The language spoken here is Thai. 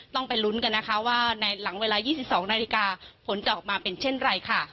ต้องไปลุ้นกันนะคะว่าในหลังเวลา๒๒นาฬิกาผลจะออกมาเป็นเช่นไรค่ะ